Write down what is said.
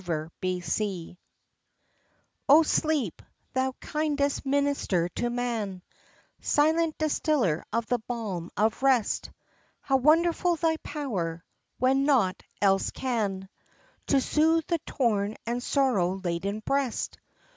SLEEP O Sleep, thou kindest minister to man, Silent distiller of the balm of rest, How wonderful thy power, when naught else can, To soothe the torn and sorrow laden breast!